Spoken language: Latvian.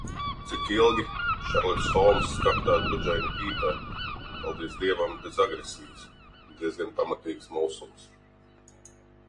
Cik ilgi? Šerloks Holmss kaktā drudžaini pīpē. Paldies Dievam, bez agresijas. Diezgan pamatīgs mulsums.